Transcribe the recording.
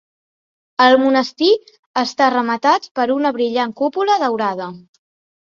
El monestir està rematat per una brillant cúpula daurada.